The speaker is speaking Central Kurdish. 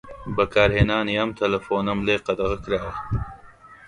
بەکارهێنانی ئەم تەلەفۆنەم لێ قەدەغە کراوە.